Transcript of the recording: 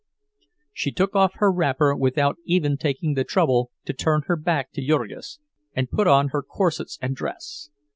She took off her wrapper without even taking the trouble to turn her back to Jurgis, and put on her corsets and dress.